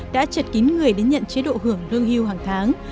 đã chật kín người đến nhận chế độ hưởng lương hưu hàng tháng